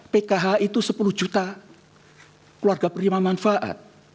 pkh itu sepuluh juta keluarga prima manfaat